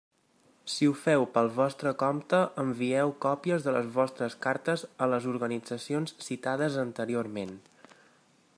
Si ho feu pel vostre compte, envieu còpies de les vostres cartes a les organitzacions citades anteriorment.